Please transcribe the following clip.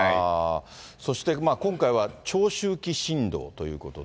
そして今回は長周期地震動ということで。